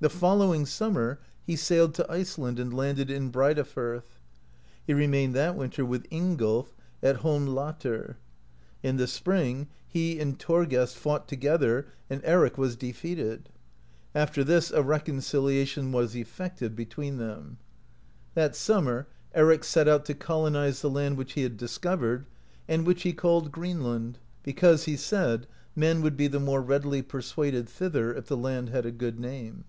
The following summer he sailed to Iceland, and landed in Breidafirth. He remained that w^inter with Ingolf (26) at Holmlatr. In the spring he and Thorgest fought to gether, and Eric was defeated ; after this a reconciliation 31 AMERICA DISCOVERED BY NORSEMEN was effected between them. That summer Eric set out to colonize the land which he had discovered, and which he called Greenland, because, he said, men would be the more readily persuaded thither if the land had a good name.